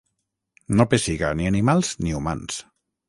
No pessiga ni animals ni humans.